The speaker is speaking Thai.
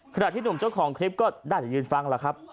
ขณะที่หนุ่มเจ้าของคลิปก็น่าจะยืนฟังแล้วครับ